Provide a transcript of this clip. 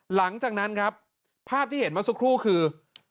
หลังจากนั้นครับภาพที่เห็นเมื่อสักครู่คือ